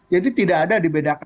jadi tidak ada dibedakan